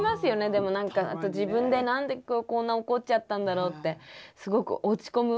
でも何か自分で何で今日こんな怒っちゃったんだろうってすごく落ち込む。